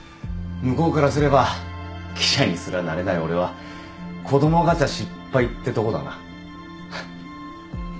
向こうからすれば記者にすらなれない俺は子供ガチャ失敗ってとこだな。